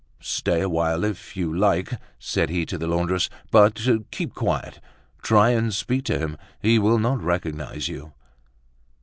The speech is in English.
"Stay a while if you like," said he to the laundress; "but keep quiet. Try and speak to him, he will not recognise you."